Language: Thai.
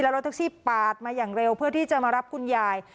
รถแท็กซี่ปาดมาอย่างเร็วเพื่อที่จะมารับคุณยาย